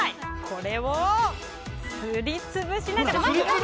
これをすり潰しながら。